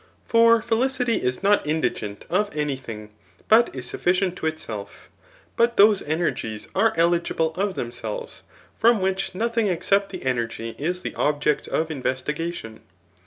For felicity is not indigent of any thing, but is sufficient to itself. But those energies are eligible of themselves, from which nothing except the energy is the object of investigation.